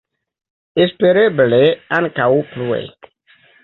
Espereble ankaŭ plue.